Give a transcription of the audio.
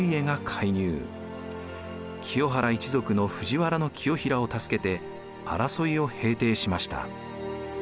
清原一族の藤原清衡を助けて争いを平定しました。